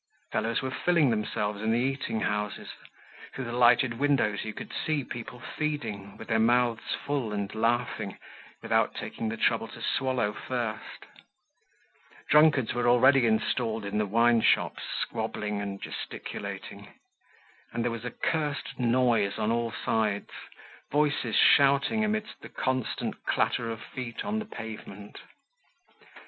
Fellows were filling themselves in the eating houses; through the lighted windows you could see people feeding, with their mouths full and laughing without taking the trouble to swallow first. Drunkards were already installed in the wineshops, squabbling and gesticulating. And there was a cursed noise on all sides, voices shouting amid the constant clatter of feet on the pavement.